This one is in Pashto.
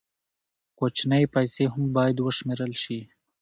کوچنۍ پیسې هم باید وشمېرل شي.